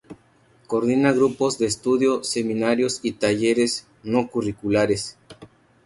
Coordina grupos de estudio, seminarios y talleres no curriculares.